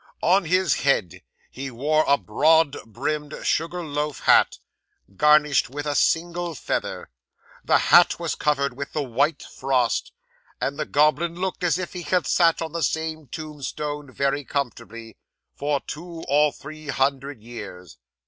On his head, he wore a broad brimmed sugar loaf hat, garnished with a single feather. The hat was covered with the white frost; and the goblin looked as if he had sat on the same tombstone very comfortably, for two or three hundred years.